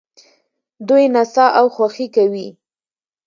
دوی نڅا او خوښي کوي.